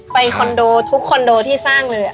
คอนโดทุกคอนโดที่สร้างเลย